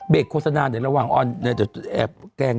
เบรกโฆษณาเดี๋ยวระหว่างออนแก้งน้อง